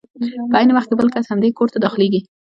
په عین وخت کې بل کس همدې کور ته داخلېږي.